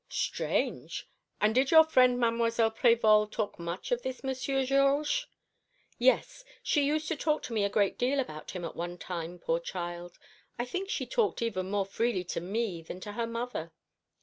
"Strange! And did your friend Mademoiselle Prévol talk much of this Monsieur Georges?" "Yes, she used to talk to me a great deal about him at one time, poor child: I think she talked even more freely to me than to her mother.